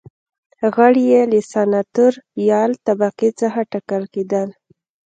غړي یې له سناتوریال طبقې څخه ټاکل کېدل.